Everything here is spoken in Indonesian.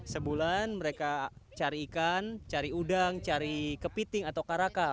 sebulan mereka cari ikan cari udang cari kepiting atau karaka